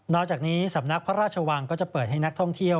อกจากนี้สำนักพระราชวังก็จะเปิดให้นักท่องเที่ยว